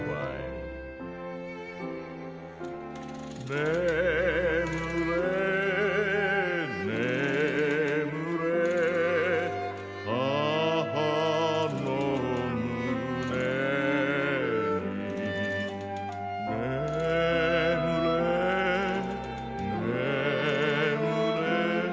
ねむれねむれ母のむねにねむれねむれ